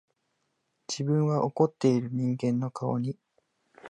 自分は怒っている人間の顔に、